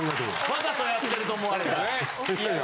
わざとやってると思われてね。